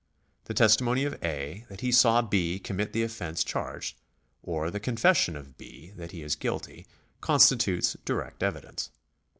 The testimony of A. that he saw B. com mit the offence charged, or the confession of B. that he is guilty, constitutes direct evidence.